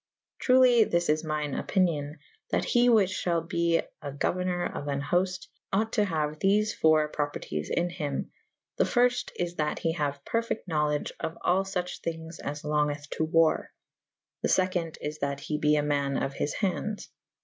Truley' this is myne opynyon / that he whiche fhall be a gou erner of an hooft / ought to haue thefe foure prispertyes in hym. The fyrfte is / that he haue perfyte knowlege of all fuche thynges as longeth to warre. The feconde is that he be a man of his handes.